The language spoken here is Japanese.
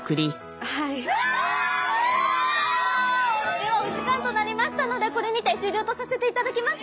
ではお時間となりましたので終了とさせていただきます。